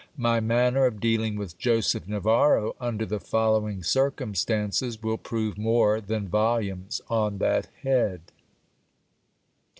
My manner of dealing with Joseph Navarro, under the following cir cumstances, will prove more than volumes on that head.